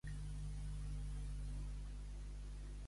Fembra és cap de pecat i arma del diable malvat.